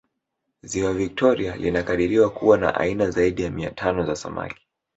Ziwa Victoria linakadiriwa kuwa na aina zaidi ya mia tano za samaki